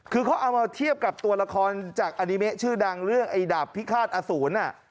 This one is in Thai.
คือเขาเอามาเทียบกับตัวละครจากอานิเมะชื่อดังเรื่องไอ้ดาบพิฆาตอสูร